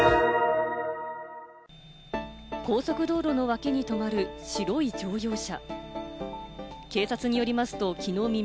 高速道路の脇に止まる白い乗用車。